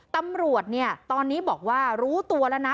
ตำรวจเนี่ยตอนนี้บอกว่ารู้ตัวแล้วนะ